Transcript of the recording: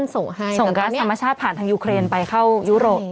ส่งกัสธรรมชาติผ่านทางยูเครนไปเข้ายุโรป